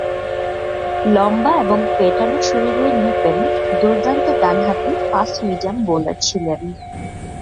লম্বা এবং পেটানো শরীরের নুপেন দুর্দান্ত ডানহাতি ফাস্ট মিডিয়াম বোলার ছিলেন।